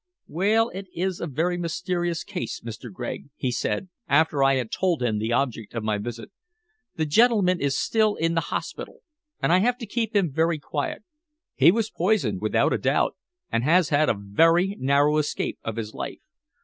"Well, it is a very mysterious case, Mr. Gregg," he said, after I had told him the object of my visit. "The gentleman is still in the hospital, and I have to keep him very quiet. He was poisoned without a doubt, and has had a very narrow escape of his life.